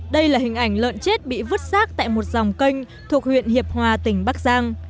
đây là hình ảnh lợn chết bị vứt xác tại một dòng kênh thuộc huyện hiệp hòa tỉnh bắc giang